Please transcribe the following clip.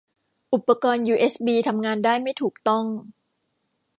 อุปกรณ์ยูเอสบีทำงานได้ไม่ถูกต้อง